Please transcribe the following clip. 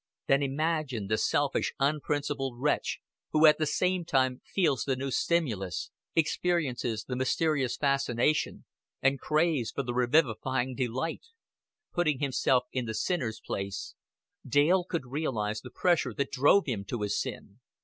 Then imagine the selfish unprincipled wretch who at the same time feels the new stimulus, experiences the mysterious fascination, and craves for the revivifying delight. Putting himself in the sinner's place, Dale could realize the pressure that drove him to his sin.